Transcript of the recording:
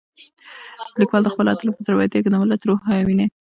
لیکوال د خپلو اتلانو په زړورتیا کې د ملت روح وینه.